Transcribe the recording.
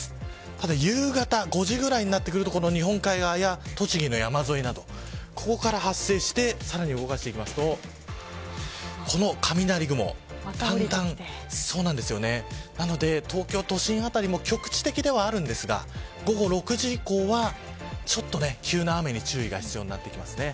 ただ夕方５時ぐらいになってくると日本海側や栃木の山沿いなどここから発生してさらに動かしていくとこの雷雲東京都心辺りも局地的ではあるんですが午後６時以降は急な雨に注意が必要になってきます。